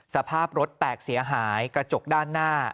สภาพรถแตกเสียหายกระจกด้านหน้า